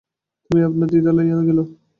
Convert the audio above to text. তুমি আপনার দ্বিধা লইয়াই গেলে।